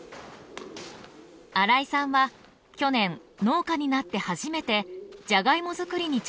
荒井さんは去年農家になって初めてジャガイモ作りに挑戦しました。